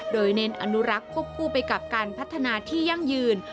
โดยเน้นอนุรักษ์ควบคู่ไปกับการพัฒนาที่ยั่งยืน